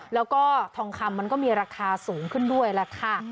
แล้วก็ทองคำมันก็มีราคาสูงขึ้นด้วยแหละค่ะ